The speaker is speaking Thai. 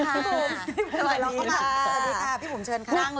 สวัสดีค่ะพี่ผมเชิญค่ะ